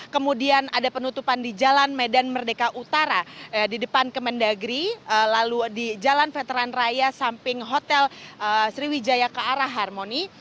kemudian ada penutupan di jalan medan merdeka utara di depan kemendagri lalu di jalan veteran raya samping hotel sriwijaya ke arah harmoni